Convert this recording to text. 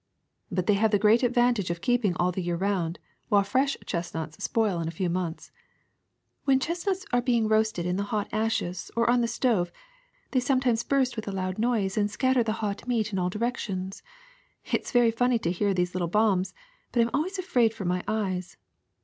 '' But they have the great advantage of keeping all the year round, while fresh chestnuts spoil in a few months." *^When chestnuts are being roasted in the hot ashes or on the stove, they sometimes burst mth a loud noise and scatter the hot meat in all directions. It 's funny to hear these little bombs, but I 'm always afraid for my eyes.